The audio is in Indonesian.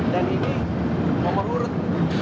dan ini mau merurut